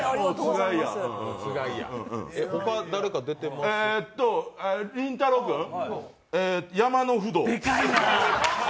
ほかは、りんたろー君、山のフドウ。